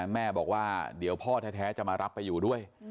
แม่บอกว่าเดี๋ยวพ่อแท้จะมารับไปอยู่ด้วย